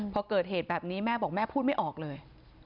พอเกิดเหตุแบบนี้แม่บอกแม่พูดไม่ออกเลย